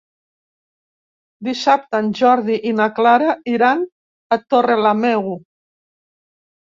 Dissabte en Jordi i na Clara iran a Torrelameu.